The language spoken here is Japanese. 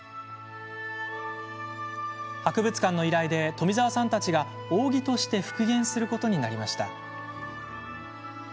博物館の依頼で富澤さんたちが扇として復元することになりました。